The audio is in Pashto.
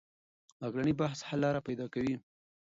عقلاني بحث حل لاره پيدا کوي.